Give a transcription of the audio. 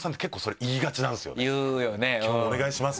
「今日もお願いします！」